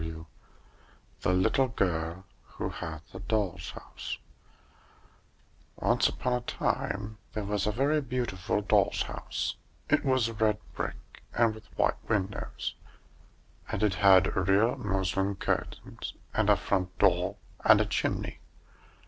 W., the Little Girl Who Had the Doll's House] Once upon a time there was a very beautiful doll's house; it was red brick with white windows, and it had real muslin curtains and a front door and a chimney.